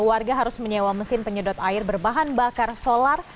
warga harus menyewa mesin penyedot air berbahan bakar solar